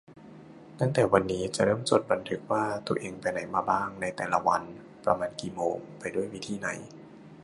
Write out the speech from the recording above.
ตั้งแต่วันนี้ จะเริ่มจดบันทึกว่าตัวเองไปไหนมาบ้างในแต่ละวัน ประมาณกี่โมง ไปด้วยวิธีไหน